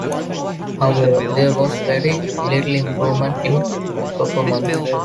However, there was very little improvement in performance.